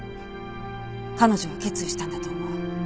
彼女は決意したんだと思う。